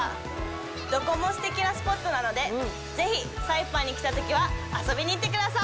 どこもすてきなスポットなのでぜひ、サイパンに来たときは遊びに行ってください。